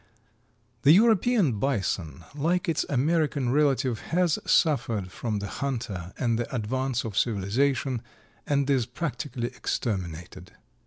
The European bison, like its American relative, has suffered from the hunter and the advance of civilization and is practically exterminated.